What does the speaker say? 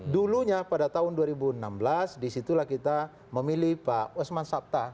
dulunya pada tahun dua ribu enam belas di situlah kita memilih pak usman sapta